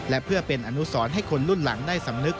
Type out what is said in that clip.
และเพื่อเป็นอนุสรให้คนรุ่นหลังได้สำนึก